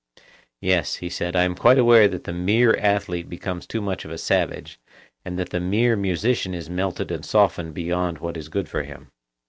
Yes, he said, I am quite aware that the mere athlete becomes too much of a savage, and that the mere musician is melted and softened beyond what is good for him.